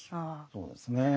そうですね。